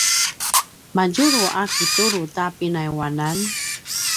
madjulu a kitulu ta pinayuanan?